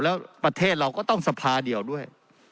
แล้วประเทศเราก็ต้องสภาเดียวด้วย